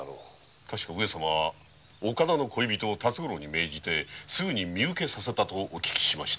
確か上様は岡田の恋人を辰五郎に命じてすぐに身うけさせたとお聞きしましたが。